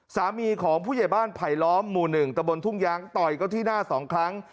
สามีของผู้ใหญ่บ้านไผลล้อมหมู่๑ตะบนทุ่งย้างต่อยเขาที่หน้า๒ครั้ง